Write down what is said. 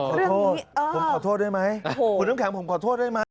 เรื่องนี้โอ้โฮผมขอโทษด้วยไหมคุณน้ำแข็งผมขอโทษด้วยไหม